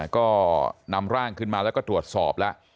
ก็นำร่างขึ้นมาแล้วก็ตรวจสอบแล้ว